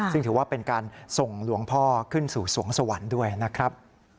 ซึ่งถือว่าเป็นการส่งหลวงพ่อขึ้นสู่สวงสวรรค์ด้วยนะครับ